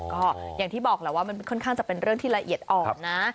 ก็อย่างที่บอกแหละว่ามันค่อนข้างจะเป็นเรื่องที่ละเอียดอ่อนนะ